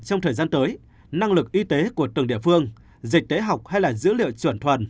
trong thời gian tới năng lực y tế của từng địa phương dịch tế học hay là dữ liệu chuẩn thuần